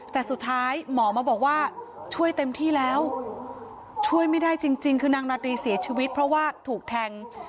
แต่สุดท้ายหมอมาบอกว่าช่วยเต็มที่แล้วช่วยไม่ได้จริงคือนางนาตรีเสียชีวิตเพราะว่าถูกแทง